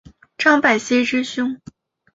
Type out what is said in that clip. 张百熙之兄。